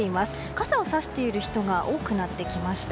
傘をさしている人が多くなってきました。